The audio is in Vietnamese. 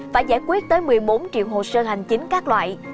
phải giải quyết tới một mươi bốn triệu hồ sơ hành chính các loại